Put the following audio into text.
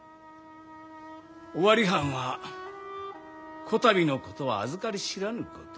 尾張藩はこたびのことはあずかり知らぬこと。